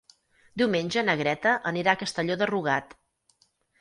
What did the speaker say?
Diumenge na Greta anirà a Castelló de Rugat.